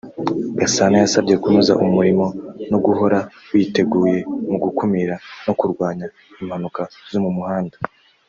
Gasana yasabye kunoza umurimo no guhora witeguye mu gukumira no kurwanya impanuka zo mu muhanda